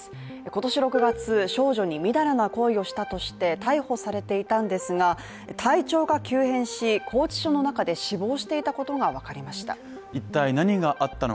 今年６月、少女にみだらな行為をしたとして逮捕されていたんですが体調が急変し、拘置所の中で死亡していたことが分かりました。